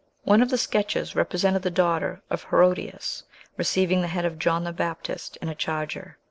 One of the sketches represented the daughter of Herodias receiving the head of John the Baptist in a charger.